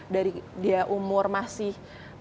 dari dia umur masih